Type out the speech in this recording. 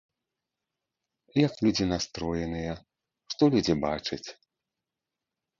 Як людзі настроеныя, што людзі бачаць?